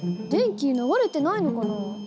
電気流れてないのかな？